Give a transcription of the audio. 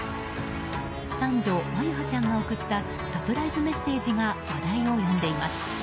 三女・眞結羽ちゃんが送ったサプライズメッセージが話題を呼んでいます。